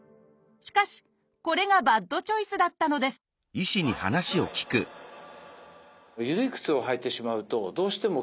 しかしこれがバッドチョイスだったのですバッドチョイス！